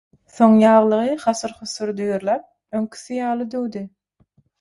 Soň ýaglygy hasyr-husur düýrläp, öňküsi ýaly düwdi.